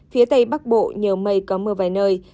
phía tây bắc bộ nhiều mây có mưa vài nơi